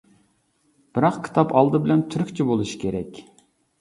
بىراق، كىتاب ئالدى بىلەن تۈركچە بولۇشى كېرەك.